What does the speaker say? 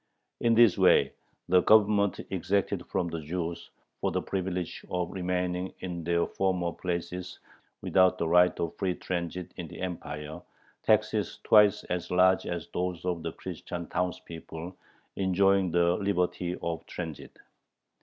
In this way the Government exacted from the Jews, for the privilege of remaining in their former places without the right of free transit in the Empire, taxes twice as large as those of the Christian townspeople enjoying the liberty of transit.